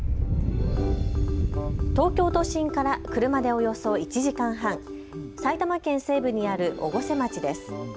東京都心から車でおよそ１時間半、埼玉県西部にある越生町です。